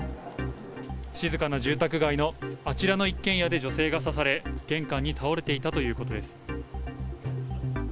静かな住宅街のあちらの一軒家で女性が刺され、玄関に倒れていたということです。